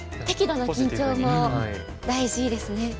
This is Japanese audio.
適度な緊張も大事ですね。